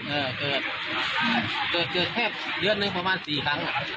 เกิดแค่เยือนหนึ่งประมาณ๔ครั้ง